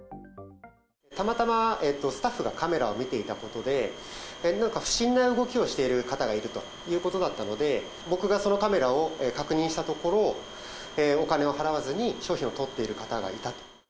たまたまスタッフがカメラを見ていたことで、なんか不審な動きをしている方がいるということだったので、僕がそのカメラを確認したところ、お金を払わずに商品をとっている方がいた。